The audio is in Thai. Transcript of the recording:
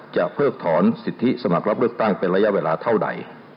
เพิกถอนสิทธิสมัครรับเลือกตั้งเป็นระยะเวลาเท่าใด